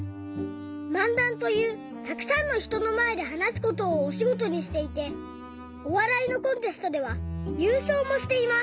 漫談というたくさんのひとのまえではなすことをおしごとにしていておわらいのコンテストではゆうしょうもしています！